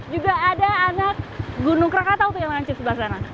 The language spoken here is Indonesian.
juga ada anak gunung krakatau yang lanjut di sebelah sana